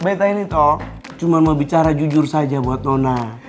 beta ini toh cuma mau bicara jujur saja buat dona